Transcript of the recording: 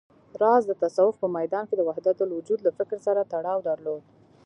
راز د تصوف په ميدان کې د وحدتالوجود له فکر سره تړاو درلود